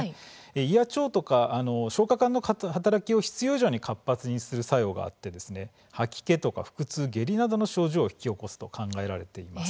胃や腸などの消化管の働きを必要以上に活発にする作用があり吐き気や腹痛、下痢などの症状を引き起こすと考えられています。